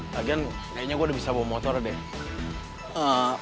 lagian kayaknya gue udah bisa bawa motor deh